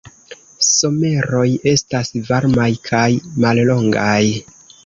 Someroj estas varmaj kaj mallongaj.